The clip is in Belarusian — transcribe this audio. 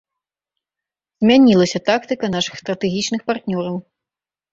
Змянілася тактыка нашых стратэгічных партнёраў.